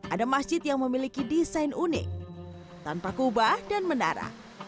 ada masjid yang memiliki desain unik tanpa kubah dan menara